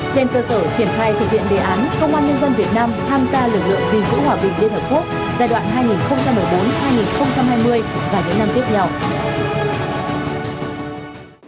trên cơ sở triển khai thực hiện đề án công an nhân dân việt nam tham gia lực lượng gìn giữ hòa bình liên hợp quốc giai đoạn hai nghìn một mươi bốn hai nghìn hai mươi và những năm tiếp theo